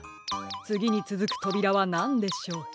つぎにつづくとびらはなんでしょう？